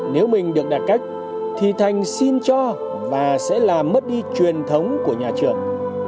nếu mình được đạt cách thì thành xin cho và sẽ làm mất đi truyền thống của nhà trường